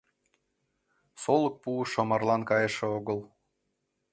Солык пуышо марлан кайыше огыл.